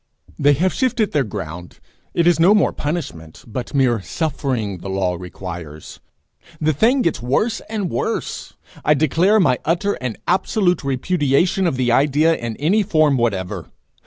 They have shifted their ground; it is no more punishment, but mere suffering the law requires! The thing gets worse and worse. I declare my utter and absolute repudiation of the idea in any form whatever.